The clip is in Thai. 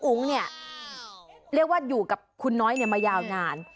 อุ๋งเนี่ยเรียกว่าอยู่กับคุณน้อยมายาวนาน